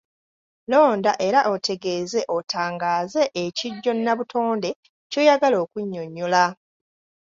Londa era otegeeze otangaaze ekijjo nnabutonde ky’oyagala okunnyonnyola.